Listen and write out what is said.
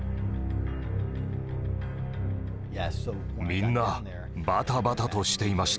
みんなバタバタとしていました。